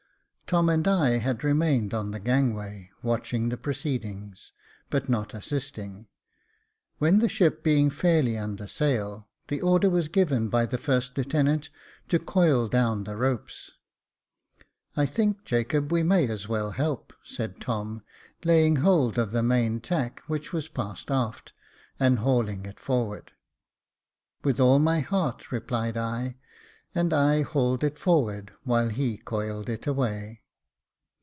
Tom and I had remained on the Jacob Faithful ^^^ gangway, watching the proceedings, but not assisting, when the ship being fairly under sail, the order was given by the first lieutenant to coil down the ropes. "I think, Jacob, we may as well help," said Tom, laying hold of the main tack, which was passed aft, and hauling it forward. " "With all my heart," replied I, and I hauled it forward, while he coiled it away.